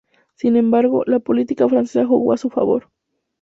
Sin embargo, la política francesa jugó a su favor.